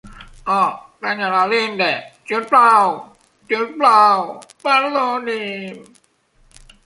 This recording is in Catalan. Oh, Sra. Lynde, si us plau, si us plau, perdoni"m.